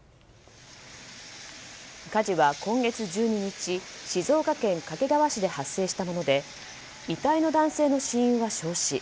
火事は今月１２日静岡県掛川市で発生したもので遺体の男性の死因は焼死。